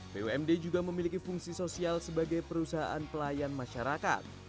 bumd juga memiliki fungsi sosial sebagai perusahaan pelayan masyarakat